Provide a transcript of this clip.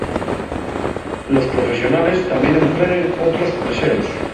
Los profesionales tamién empleguen otros preseos.